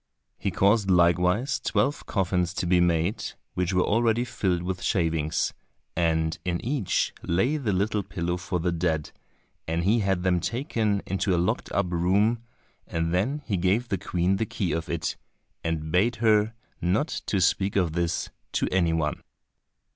He caused likewise twelve coffins to be made, which were already filled with shavings, and in each lay the little pillow for the dead, and he had them taken into a locked up room, and then he gave the Queen the key of it, and bade her not to speak of this to any one.